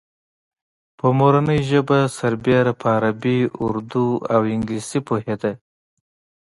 په مورنۍ ژبه سربېره په عربي، اردو او انګلیسي پوهېده.